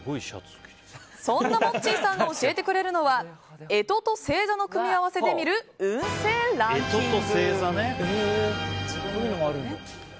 そんなもっちぃさんが教えてくれるのは干支と星座の組み合わせで見る運勢ランキング。